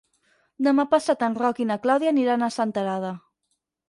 Demà passat en Roc i na Clàudia aniran a Senterada.